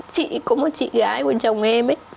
chị có một chị gái của chồng em ấy